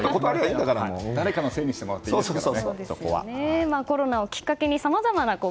誰かのせいにしてもらっていいですから。